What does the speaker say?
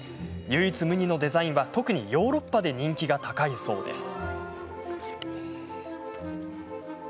唯一無二のデザインは特にヨーロッパで人気が高いそうです。